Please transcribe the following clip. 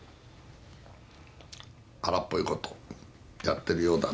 荒っぽいことやってるようだな。